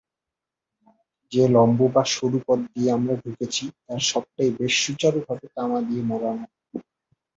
যে লম্ববা সরু পথ দিয়ে আমরা ঢুকেছি তার সবটাই বেশ সুচারুভাবে তামা দিয়ে মোড়ানো।